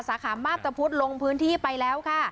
สาขามาพตะพุธลงพื้นที่ไปแล้วค่ะ